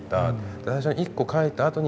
最初の１個描いたあとにじゃ